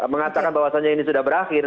mengatakan bahwasannya ini sudah berakhir